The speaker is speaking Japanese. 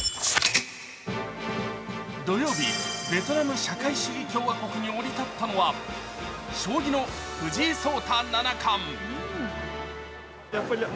土曜日、ベトナム社会主義共和国に降り立ったのは将棋の藤井聡太七冠。